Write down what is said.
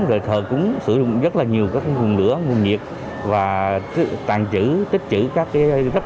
người dân cũng sử dụng rất là nhiều các nguồn lửa nguồn nhiệt và tàn trữ tích trữ các cái rất